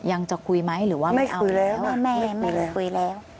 ยังจะคุยไหมหรือว่าไม่เอาแล้วแม่ไม่คุยแล้ว